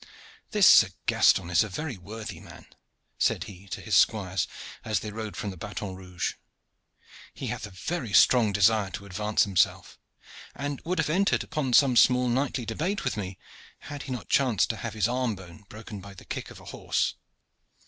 "This Sir Gaston is a very worthy man," said he to his squires as they rode from the "Baton Rouge." "He hath a very strong desire to advance himself, and would have entered upon some small knightly debate with me, had he not chanced to have his arm bone broken by the kick of a horse.